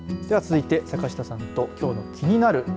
では続いて、坂下さんときょうのキニナル！。